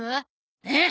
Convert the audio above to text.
えっ！？